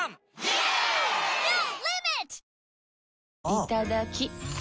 いただきっ！